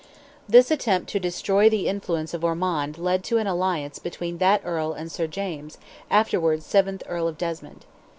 This attempt to destroy the influence of Ormond led to an alliance between that Earl and Sir James, afterwards seventh Earl of Desmond.